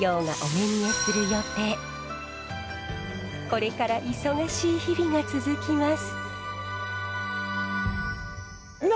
これから忙しい日々が続きます。